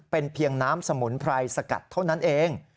เป็นเพียงน้ำสมุนไพรสกัดเท่านั้นเอง